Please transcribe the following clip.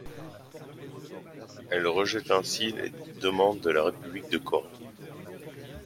Elle rejette ainsi les demandes de la République de Corée.